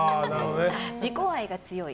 自己愛が強い。